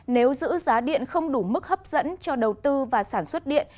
nếu giữ giá điện không đủ mức hấp dẫn cho đầu tư và sản xuất điện